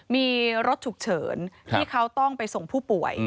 มีรถฉุกเฉินที่เขาต้องไปส่งผู้ป่วย